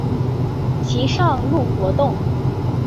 其上路活动。